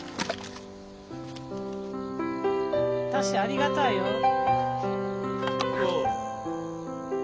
正ありがたいよ。